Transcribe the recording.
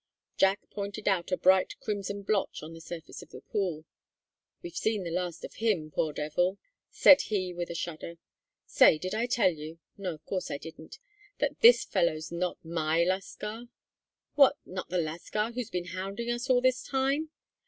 Jack pointed out a bright crimson blotch on the surface of the pool. "We've seen the last of him, poor devil," said he with a shudder. "Say, did I tell you no, of course I didn't that this fellows not my lascar?" "What, not the lascar who's been hounding us all this time?"